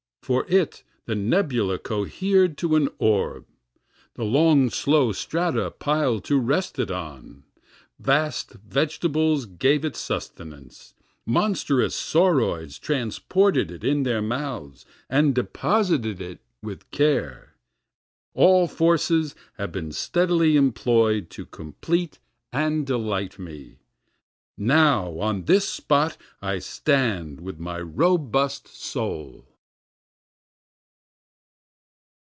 For it the nebula cohered to an orb, The long slow strata piled to rest it on, Vast vegetables gave it sustenance, Monstrous sauroids transported it in their mouths and deposited it with care. All forces have been steadily employ'd to complete and delight me, Now on this spot I stand with my robust soul.